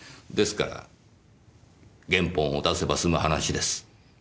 ですから原本を出せば済む話です。